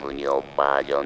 バージョン？